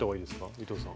伊藤さん。